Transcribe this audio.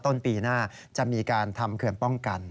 ต้นปีหน้าจะมีการทำเขื่อนป้องกัน